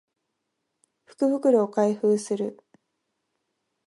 福袋を開封する